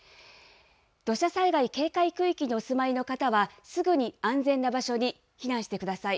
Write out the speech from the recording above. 土砂災害警戒区域にお住まいの方は、すぐに安全な場所に避難してください。